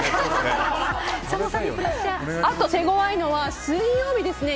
あと、手ごわいのは水曜日ですね。